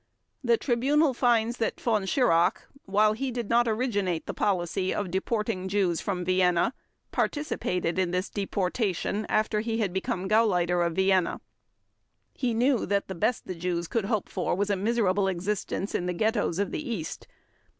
The Tribunal finds that Von Schirach, while he did not originate the policy of deporting Jews from Vienna, participated in this deportation after he had become Gauleiter of Vienna. He knew that the best the Jews could hope for was a miserable existence in the ghettos of the East.